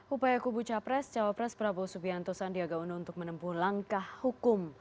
upaya kubu capres cawapres prabowo subianto sandiaga uno untuk menempuh langkah hukum